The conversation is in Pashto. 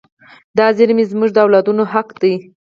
دا زیرمې زموږ د اولادونو حق دی.